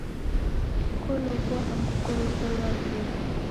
Kolow'ua angu kolow'olwa wele!